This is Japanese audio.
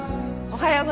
おはよう。